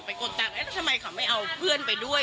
กดตังค์แล้วทำไมเขาไม่เอาเพื่อนไปด้วย